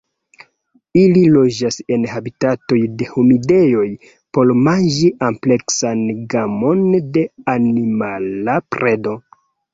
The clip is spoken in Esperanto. Ili loĝas en habitatoj de humidejoj por manĝi ampleksan gamon de animala predo.